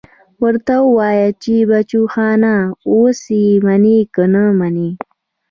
ورته ووايه چې بچوخانه اوس يې منې که نه منې.